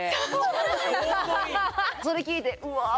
それ聞いてうわあ